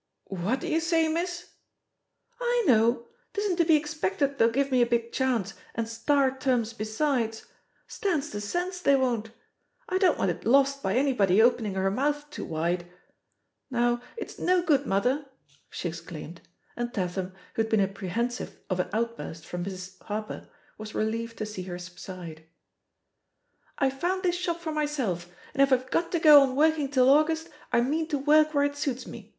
"What do you say, miss?" "I know! 'Tisn't to be expected they'll give me a big chance, and star terms besides. Stands to sense they won't. I don't want it lost by any body opening her mouth too wide. Now, it's no good, mother I" she exclaimed; and Tatham, who had been apprehensive of an outburst from Mrs. tS4 THE POSITION OP PEGGY HARPER Harper, was relieved to see her subside* *'I found this shop for myself, and if IVe got to go on working till August, I mean to work where it suits me.